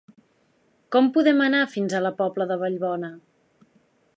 Com podem anar fins a la Pobla de Vallbona?